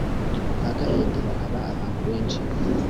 kwa gahindiro haba abantu benshi